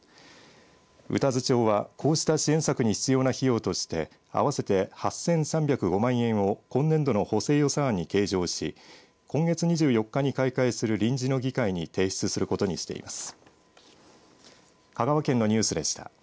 宇多津町は、こうした支援策に必要な費用として合わせて８３０５万円を今年度の補正予算案に計上し今月２４日に開会する臨時の議会に提出することにしています。